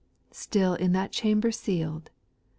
Still in that chamber seal'd.